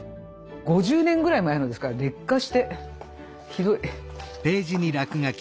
５０年ぐらい前のですから劣化してひどい。